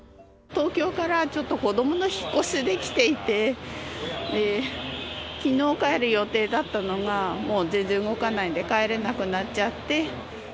東京からちょっと子どもの引っ越しで来ていて、きのう帰る予定だったのが、もう全然動かないんで帰れなくなっちゃって。